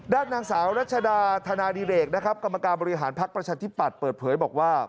ด้านนางสาวรัชดาธนาดิเรกนะครับกรรมการบริหารพักประชาธิปัตย์เปิดเผยบอกว่า